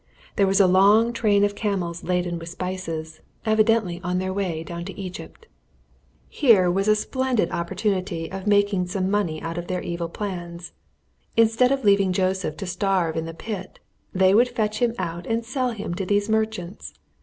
There was a long train of camels laden with spices, evidently on their way down to Egypt. [Illustration: "They sold Joseph to the Ishmeelites." Gen. xxxvii. 28.] Here was a splendid opportunity of making some money out of their evil plan. Instead of leaving Joseph to starve in the pit, they would fetch him out and sell him to these merchants.